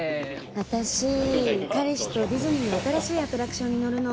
「私彼氏とディズニーの新しいアトラクションに乗るの」。